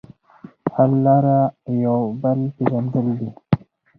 حل لاره یو بل پېژندل دي.